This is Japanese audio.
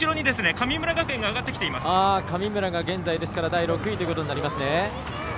神村が現在第６位ということになりますね。